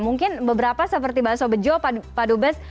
mungkin beberapa seperti bakso bejo pak dubes